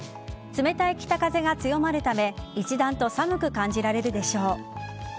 冷たい北風が強まるため一段と寒く感じられるでしょう。